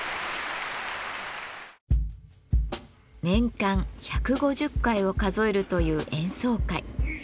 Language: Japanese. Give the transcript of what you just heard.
年間１５０回を数えるという演奏会。